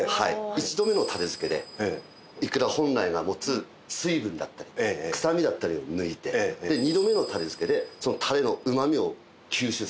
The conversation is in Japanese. １度目のタレ漬けでいくら本来が持つ水分だったり臭みだったりを抜いて２度目のタレ漬けでそのタレのうまみを吸収させて。